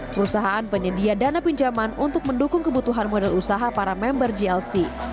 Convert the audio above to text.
perusahaan penyedia dana pinjaman untuk mendukung kebutuhan modal usaha para member jlc